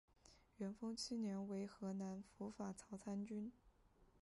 元丰七年为河南府法曹参军。